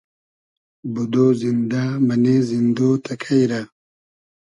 بودۉ زیندۂ مئنې زیندۉ تئکݷ رۂ